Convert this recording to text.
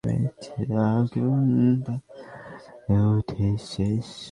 শুনানি শেষে আদালত জামিনের আবেদন নাকচ করে তাঁকে কারাগারে পাঠানোর আদেশ দেন।